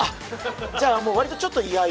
じゃ割とちょっと嫌々？